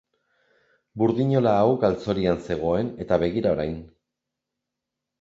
Burdinola hau galzorian zegoen eta begira orain.